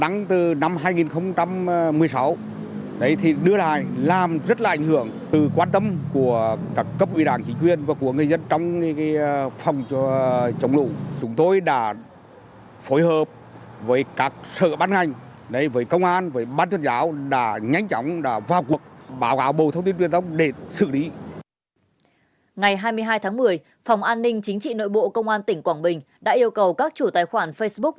ngày hai mươi hai tháng một mươi phòng an ninh chính trị nội bộ công an tỉnh quảng bình đã yêu cầu các chủ tài khoản facebook